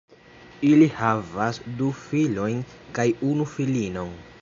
Ili havas du filojn kaj unu filinon.